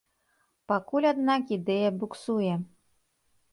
Пакуль, аднак, ідэя буксуе.